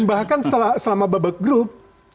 bahkan selama babak grup